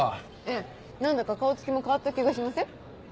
ええ何だか顔つきも変わった気がしません？